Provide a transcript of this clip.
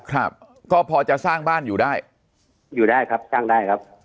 ครับก็พอจะสร้างบ้านอยู่ได้อยู่ได้ครับสร้างได้ครับ